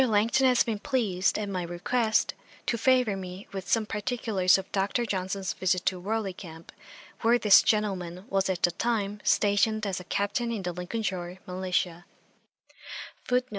Langton has been pleased, at my request, to favour me with some particulars of Dr. Johnson's visit to Warley camp, where this gentleman was at the time stationed as a Captain in the Lincolnshire militia.